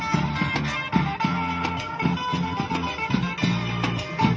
สวัสดีครับทุกคน